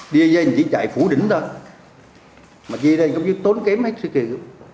đia dây thì chỉ chạy phủ đỉnh thôi mà chia ra thì không chứ tốn kém hết sự kiện